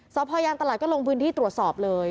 สพยางตลาดก็ลงพื้นที่ตรวจสอบเลย